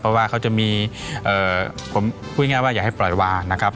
เพราะว่าเขาจะมีผมพูดง่ายว่าอย่าให้ปล่อยวานะครับ